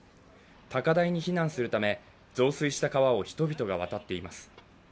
高台に避難するため増水した川を人々が渡っています。